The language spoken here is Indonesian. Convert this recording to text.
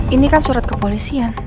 ini kan surat kepolisian